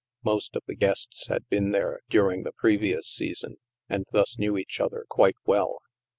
Most of the guests had been there during the previous season, and thus knew each other quite well.